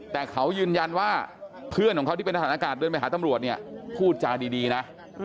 แต่เขายืนยันว่าเพื่อนของเขาที่เป็นทหารอากาศเดินไปหาตำรวจเนี่ยพูดจาดีนะ